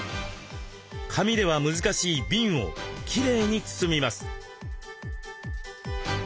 紙では難しい瓶をきれいに包みます。